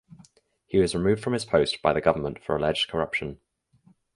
He was removed from his post by the government for alleged corruption.